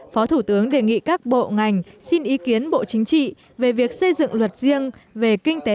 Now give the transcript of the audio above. phó thủ tướng đề nghị các bộ ngành xin ý kiến bộ chính trị về việc xây dựng luật riêng về kinh tế